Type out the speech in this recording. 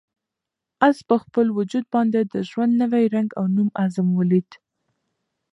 آس په خپل وجود باندې د ژوند نوی رنګ او نوی عزم ولید.